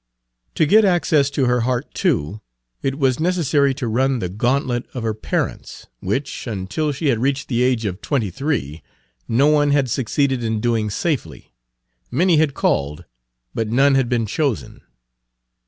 To get access to her heart, too, it was necessary to run the gauntlet of her parents, which, until she had reached the age of twenty three, no one had succeeded in doing safely. Many had called, but none had been chosen.